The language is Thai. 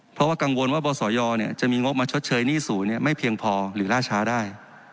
เพราะว่ากังวลว่าบศยจะมีงบมาชดเชยหนี้ศูนย์ไม่เพียงพอหรือล่าช้าได้